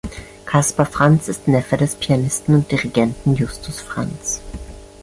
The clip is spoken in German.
Caspar Frantz ist Neffe des Pianisten und Dirigenten Justus Frantz.